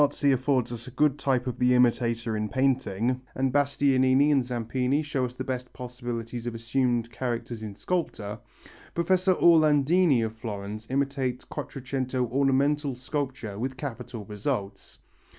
] While Marzi affords us a good type of the imitator in painting and Bastianini and Zampini show us the best possibilities of assumed characters in sculpture, Professor Orlandini of Florence imitates Quattrocento ornamental sculpture with capital results.